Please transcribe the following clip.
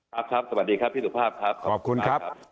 ครับครับสวัสดีครับพี่สุภาพครับขอบคุณครับ